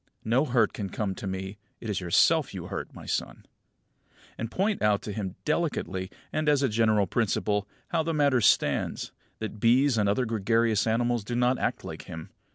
No hurt can come to me; it is yourself you hurt, my son." And point out to him delicately, and as a general principle, how the matter stands; that bees and other gregarious animals do not act like him.